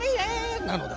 なのだ。